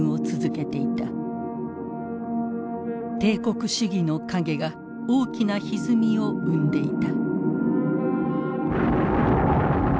帝国主義の影が大きなひずみを生んでいた。